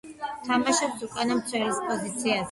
თამაშობს უკანა მცველის პოზიციაზე.